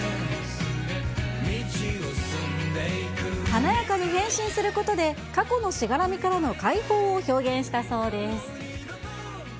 華やかに変身することで、過去のしがらみからの解放を表現したそうです。